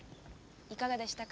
いかがでしたか？